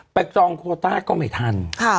จองโคต้าก็ไม่ทัน